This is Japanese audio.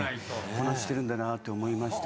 こなしてるんだなって思いました。